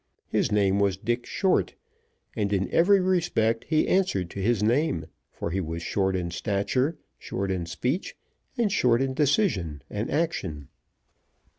His name was Dick Short, and in every respect he answered to his name, for he was short in stature, short in speech, and short in decision and action.